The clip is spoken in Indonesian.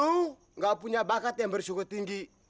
lu gak punya bakat yang bersyukur tinggi